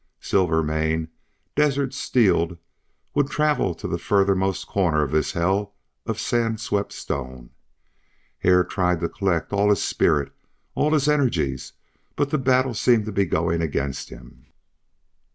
Silvermane, desert steeled, would travel to the furthermost corner of this hell of sand swept stone. Hare tried to collect all his spirit, all his energies, but the battle seemed to be going against him.